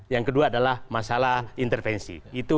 yang kedua adalah masalah intervensi